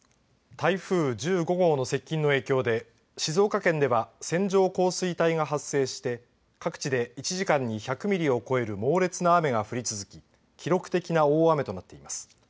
台風１５号の接近の影響で静岡県では線状降水帯が発生して各地で１時間に１００ミリを超える猛烈な雨が降り続き記録的な大雨となっています。